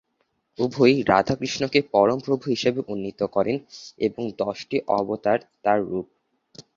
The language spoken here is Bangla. উভয়েই রাধা কৃষ্ণকে পরম প্রভু হিসেবে উন্নীত করেন এবং দশটি অবতার তাঁর রূপ।